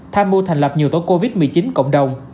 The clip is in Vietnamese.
tham mưu thành lập nhiều tổ covid một mươi chín cộng đồng